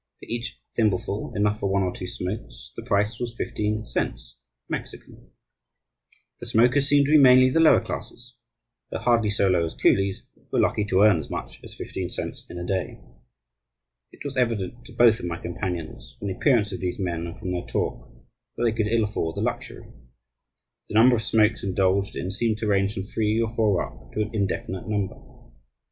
For each thimbleful, enough for one or two smokes, the price was fifteen cents (Mexican). The smokers seemed to be mainly of the lower classes; though hardly so low as coolies, who are lucky to earn as much as fifteen cents in a day. It was evident to both of my companions, from the appearance of these men and from their talk, that they could ill afford the luxury. The number of smokes indulged in seemed to range from three or four up to an indefinite number.